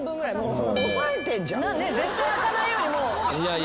絶対開かないようにもう。